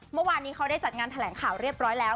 เมื่อวานนี้เขาได้จัดงานแถลงข่าวเรียบร้อยแล้ว